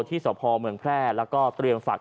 สพเมืองแพร่แล้วก็เตรียมฝาก